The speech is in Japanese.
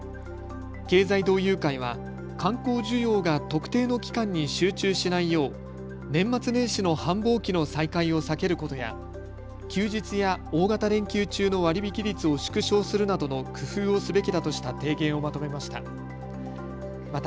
経済同友会は観光需要が特定の期間に集中しないよう年末年始の繁忙期の再開を避けることや休日や大型連休中の割引率を縮小するなどの工夫をすべきだとした提言をまとめました。